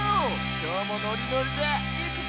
きょうもノリノリでいくぞ！